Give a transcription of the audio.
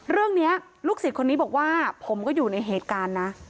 ลูกศิษย์คนนี้บอกว่าผมก็อยู่ในเหตุการณ์นะ